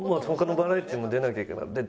他のバラエティも出なきゃいけない。